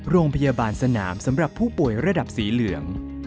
โรงพยาบาลสนามสำหรับผู้ป่วยระดับสีเหลือง